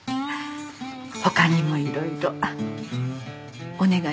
他にもいろいろお願いしますね。